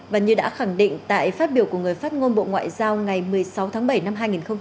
và như đã khẳng định tại phát biểu của người phát ngôn bộ ngoại giao ngày một mươi sáu tháng bảy năm hai nghìn hai mươi